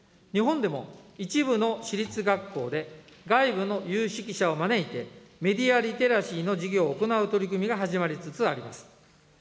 日本でも一部の私立学校で、外部の有識者を招いて、メディアリテラシーの授業を行う取り組みが始まりつつあります。